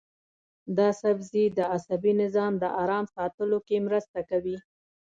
دا سبزی د عصبي نظام د ارام ساتلو کې مرسته کوي.